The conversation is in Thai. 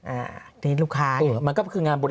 อันนี้ลูกค้าเหมือนกับ